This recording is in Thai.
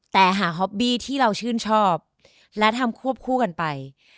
แต่หาฮอปบี้ที่เราชื่นชอบและทำควบคู่กันไป